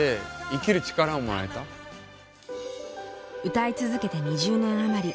歌い続けて２０年余り。